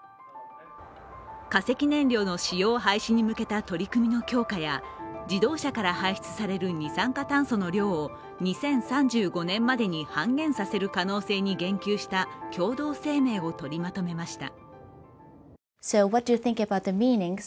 化石燃料の使用廃止に向けた取り組みの強化や自動車から排出される二酸化炭素の量を２０３５年までに半減させる可能性に言及した共同声明を取りまとめました。